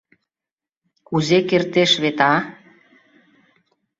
— Кузе кертеш вет, а!